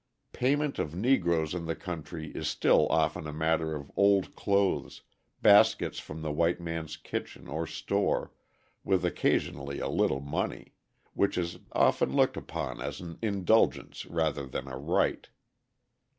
Payment of Negroes in the country is still often a matter of old clothes, baskets from the white man's kitchen or store, with occasionally a little money, which is often looked upon as an indulgence rather than a right.